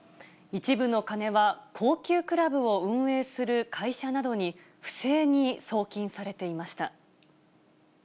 一部の金は高級クラブを運営する会社などに、不正に送金されていました。